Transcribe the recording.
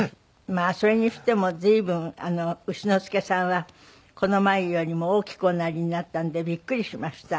まあそれにしても随分丑之助さんはこの前よりも大きくおなりになったんでびっくりしました。